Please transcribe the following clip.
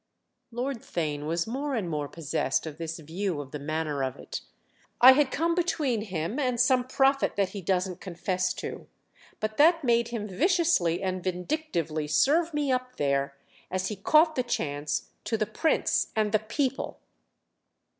Lord Theign was more and more possessed of this view of the manner of it. "I had come between him and some profit that he doesn't confess to, but that made him viciously and vindictively serve me up there, as he caught the chance, to the Prince—and the People!"